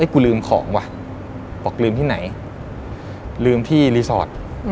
กูลืมของว่ะบอกลืมที่ไหนลืมที่รีสอร์ท